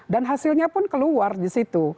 dan hasilnya pun keluar disitu